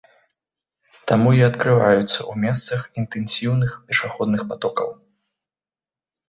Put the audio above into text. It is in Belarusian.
Таму і адкрываюцца ў месцах інтэнсіўных пешаходных патокаў.